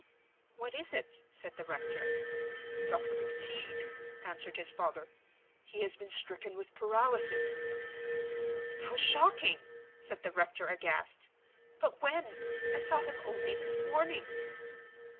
"What is it?" said the rector. "Dr. McTeague," answered his father. "He has been stricken with paralysis!" "How shocking!" said the rector, aghast. "But when? I saw him only this morning."